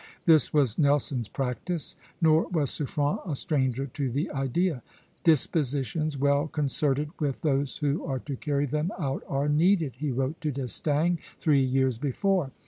This was Nelson's practice; nor was Suffren a stranger to the idea. "Dispositions well concerted with those who are to carry them out are needed," he wrote to D'Estaing, three years before.